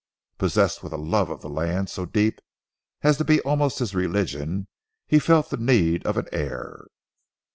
Possessed with a love of the land so deep as to be almost his religion, he felt the need of an heir.